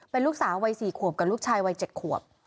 เป็นลูกสาววัย๔ขวบกับลูกชายวัย๗ขวบ